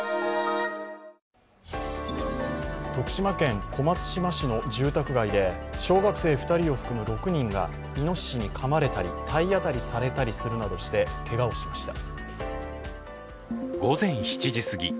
徳島県小松島市の住宅街で小学生２人を含む６人がいのししにかまれたり体当たりされたりするなどしてけがをしました。